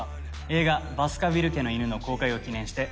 映画『バスカヴィル家の犬』の公開を記念して。